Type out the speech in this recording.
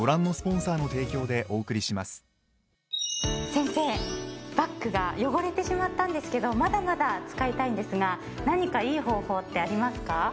先生バッグが汚れてしまったんですけどまだまだ使いたいんですが何かいい方法ってありますか？